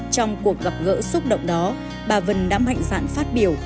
trong cuộc gặp gỡ xúc động đó bà vân đã mạnh dạn phát biểu